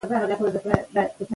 څېړنې به لار وښيي.